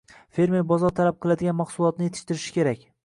Fermer bozor talab qiladigan mahsulotni yetishtirishi kerak.